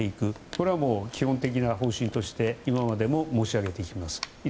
これはもう基本的な方針として今までも申し上げてきています。